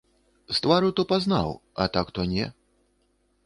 З твару то пазнаў, а так то не.